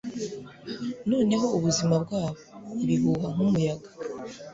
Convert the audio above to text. noneho ubuzima bwabo, ibuhuha nk'umuyaga